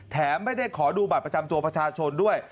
ไม่ได้ขอดูบัตรประจำตัวประชาชนด้วย